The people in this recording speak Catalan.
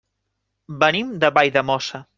Venim de Valldemossa.